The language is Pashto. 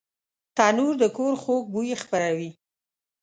تنور د کور خوږ بوی خپروي